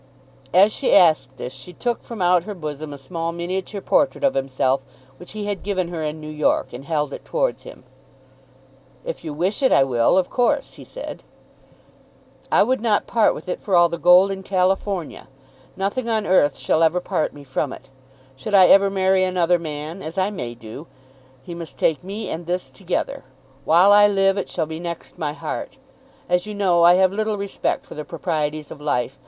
As she asked this she took from out her bosom a small miniature portrait of himself which he had given her in New York, and held it towards him. "If you wish it I will, of course," he said. "I would not part with it for all the gold in California. Nothing on earth shall ever part me from it. Should I ever marry another man, as I may do, he must take me and this together. While I live it shall be next my heart. As you know, I have but little respect for the proprieties of life.